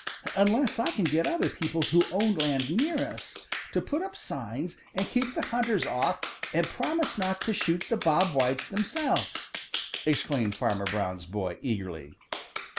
"Unless I can get other people who own land near us to put up signs and keep the hunters off and promise not to shoot the Bob Whites themselves!" exclaimed Farmer Brown's boy eagerly.